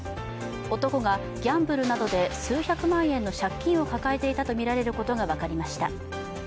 男がギャンブルなどで数百万円の借金を抱えていたとみられることが分かりました。